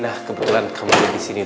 nah kebetulan kamu lagi disini